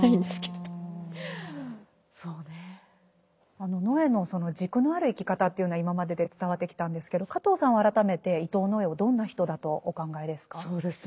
あの野枝の軸のある生き方っていうのは今までで伝わってきたんですけど加藤さんは改めて伊藤野枝をどんな人だとお考えですか。